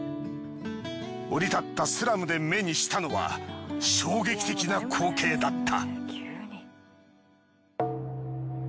降り立ったスラムで目にしたのは衝撃的な光景だった。